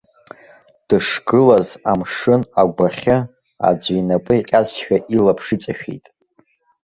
Дышгылаз, амшын агәахьы аӡәы инапы иҟьазшәа илаԥш иҵашәеит.